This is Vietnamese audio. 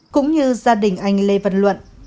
cũng như gia đình anh lê văn luận